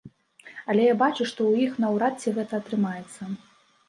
Але я бачу, што ў іх наўрад ці гэта атрымаецца.